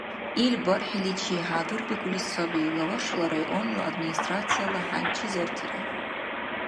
Ил бархӀиличи хӀядурбикӀули саби Лавашала районна Администрацияла хӀянчизартира.